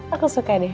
aku suka deh